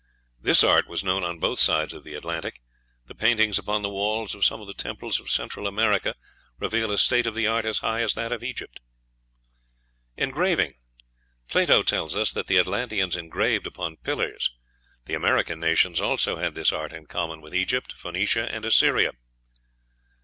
This art was known on both sides of the Atlantic. The paintings upon the walls of some of the temples of Central America reveal a state of the art as high as that of Egypt. Engraving. Plato tells us that the Atlanteans engraved upon pillars. The American nations also had this art in common with Egypt, Phoenicia, and Assyria.